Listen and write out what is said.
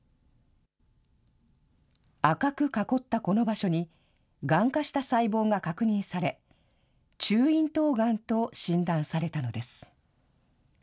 赤く囲ったこの場所に、がん化した細胞が確認され、中咽頭がんと診断されたのです。